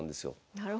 なるほど。